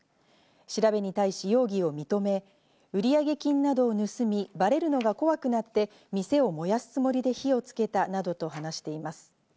調べに対し、容疑を認め、売上金などを盗み、バレるのが怖くなって店を燃やすつもりで火をつけたなどと話しています。